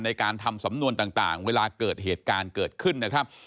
ในการทำสำนวนต่างเวลาเกิดเหตุการณ์เกิดขึ้นนะครับ